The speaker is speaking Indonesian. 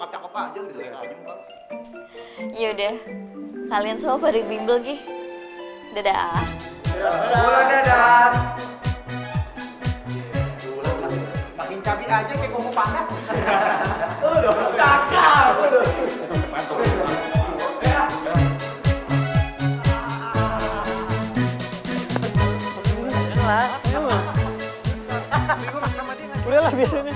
yaudah kalian semua pading blogi dadah dadah